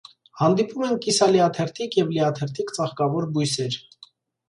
Հանդիպում են կիսալիաթերթիկ և լիաթերթիկ ծաղկավոր բույսեր։